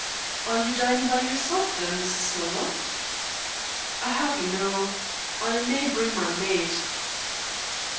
"Are you dining by yourself, then, Mrs. Hillmer?" "I hardly know. I may bring my maid."